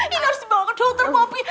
ini harus dibawa ke dokter kopi